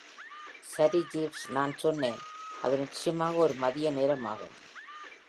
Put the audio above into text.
"சரி, ஜீவ்ஸ்," நான் சொன்னேன், "அது நிச்சயமாக ஒரு மதிய நேரமாகும்."